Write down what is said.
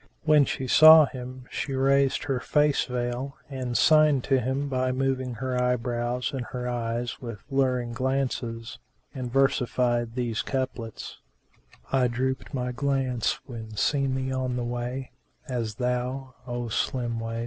When she saw him she raised her face veil and signed to him by moving her eyebrows and her eyes with luring glances, and versified these couplets, "I drooped my glance when seen thee on the way * As though, O slim waist!